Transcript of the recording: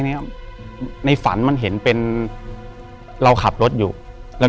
เชิญชมว่าแม่ก็ไม่เรารู้ว่า